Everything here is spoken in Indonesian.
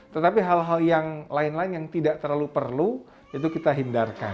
tetapi hal hal yang lain lain yang tidak terlalu perlu itu kita hindarkan